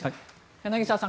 柳澤さん